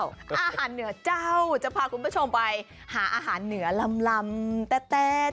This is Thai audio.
อาหารเหนือเจ้าจะพาคุณผู้ชมไปหาอาหารเหนือลำแต๊ะ